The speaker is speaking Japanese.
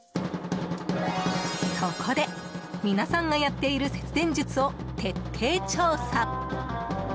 そこで、皆さんがやっている節電術を徹底調査！